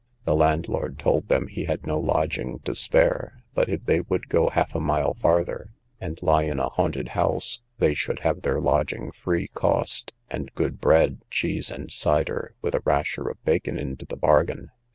The landlord told them he had no lodging to spare, but if they would go half a mile farther, and lie in a haunted house, they should have their lodging free cost, and good bread, cheese, and cider, with a rasher of bacon into the bargain.